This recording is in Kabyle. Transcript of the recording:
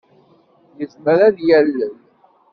Yezmer ad d-yalel.